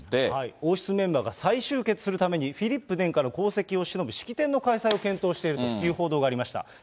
王室メンバーが再集結するためにフィリップ殿下の功績をしのぶ式典の開催を検討しているという報道がありました。